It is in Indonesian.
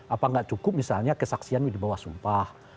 apakah tidak cukup misalnya kesaksian di bawah sumpah